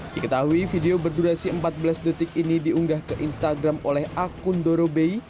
diketahui video berdurasi empat belas detik ini diunggah ke instagram oleh akun dorobey